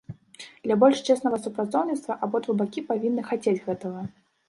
Для больш цеснага супрацоўніцтва абодва бакі павінны хацець гэтага.